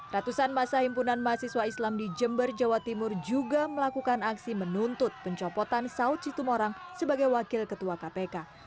ratusan masa himpunan mahasiswa islam di jember jawa timur juga melakukan aksi menuntut pencopotan saud situmorang sebagai wakil ketua kpk